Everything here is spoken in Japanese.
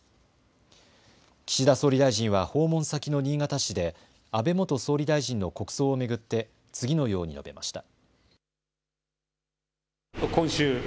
岸田総理大臣は訪問先の新潟市で安倍元総理大臣の国葬を巡って次のように述べました。